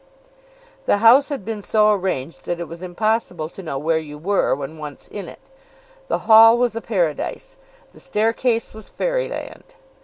The house had been so arranged that it was impossible to know where you were, when once in it. The hall was a paradise. The staircase was fairyland.